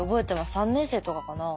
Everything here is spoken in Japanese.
３年生とかかな？